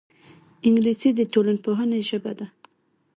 انګلیسي د ټولنپوهنې ژبه ده